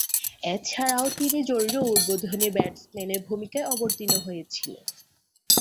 এছাড়াও তিনি জরুরি উদ্বোধনী ব্যাটসম্যানের ভূমিকায় অবতীর্ণ হয়েছিলেন।